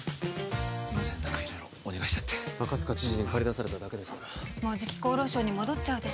すいません何か色々お願いしちゃって赤塚知事に駆り出されただけですからもうじき厚労省に戻っちゃうでしょ